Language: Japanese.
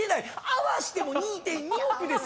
合わしても２．２億ですわ。